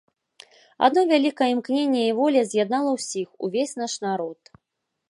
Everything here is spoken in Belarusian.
Адно вялікае імкненне і воля з'яднала ўсіх, увесь наш народ.